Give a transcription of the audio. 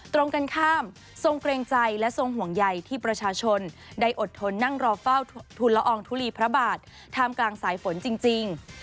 ตรงกันข้ามทรงเกรงใจและทรงห่วงใยที่ประชาชนได้อดทนนั่งรอเฝ้าทุนละอองทุลีพระบาทท่ามกลางสายฝนจริง